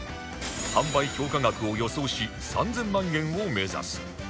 販売評価額を予想し３０００万円を目指す